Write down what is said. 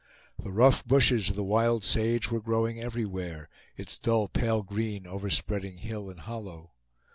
The rough bushes of the wild sage were growing everywhere, its dull pale green overspreading hill and hollow.